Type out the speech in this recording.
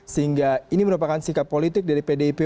sehingga ini merupakan sikap politik dari pdip